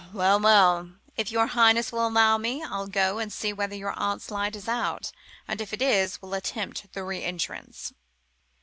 "Well, well! if your Highness will allow me, I'll go and see whether your aunt's light is out, and if it is, we'll attempt the re entrance."